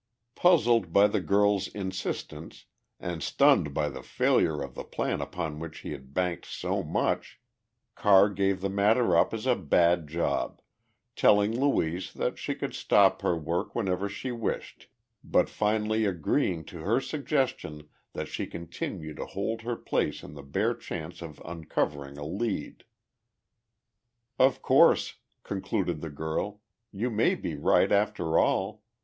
Puzzled by the girl's insistence and stunned by the failure of the plan upon which he had banked so much, Carr gave the matter up as a bad job telling Louise that she could stop her work whenever she wished, but finally agreeing to her suggestion that she continue to hold her place on the bare chance of uncovering a lead. "Of course," concluded the girl, "you may be right, after all.